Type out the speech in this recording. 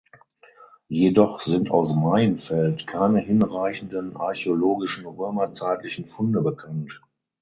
Jedoch sind aus Maienfeld keine hinreichenden archäologischen römerzeitlichen Funde bekannt.